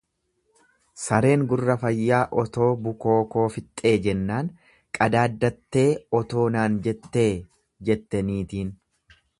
"""Sareen gurra fayyaa otoo bukoo koo fixxee jennaan, qadaaddattee otoo naan jettee?"" jette niitiin."